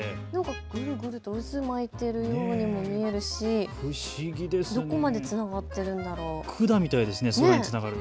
ぐるぐる渦巻いているようにも見えるし、どこまでつながってるんだろう。